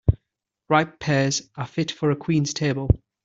Ripe pears are fit for a queen's table.